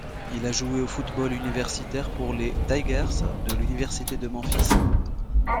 Il a joué au football universitaire pour les Tigers de l'Université de Memphis.